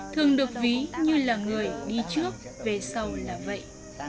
thường được ví như là người đi trước về sau là vậy